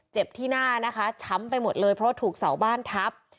ที่หน้านะคะช้ำไปหมดเลยเพราะว่าถูกเสาบ้านทับ